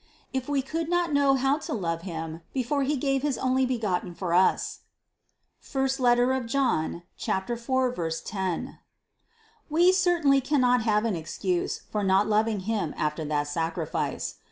If we could not know how to love Him before He gave his Onlybegotten for us (I John 4, 10), we certainly cannot have an ex cuse for not loving Him after that sacrifice.